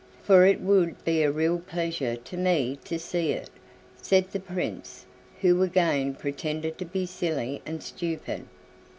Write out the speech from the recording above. for it would be a real pleasure to me to see it," said the Prince, who again pretended to be silly and stupid.